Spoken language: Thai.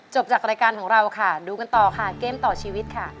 จากรายการของเราค่ะดูกันต่อค่ะเกมต่อชีวิตค่ะ